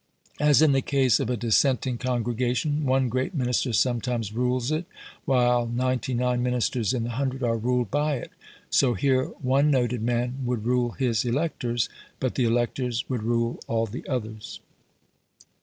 As in the case of a dissenting congregation, one great minister sometimes rules it, while ninety nine ministers in the hundred are ruled by it, so here one noted man would rule his electors, but the electors would rule all the others.